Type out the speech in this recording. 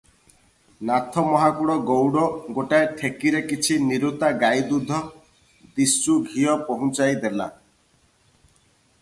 ନାଥ ମହାକୁଡ଼ ଗଉଡ଼ ଗୋଟାଏ ଠେକିରେ କିଛି ନିରୁତା ଗାଈଦୁଧ, ଦିଶୁ ଘିଅ ପହୁଞ୍ଚାଇ ଦେଲା ।